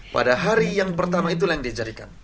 pada hari yang pertama itulah yang dijadikan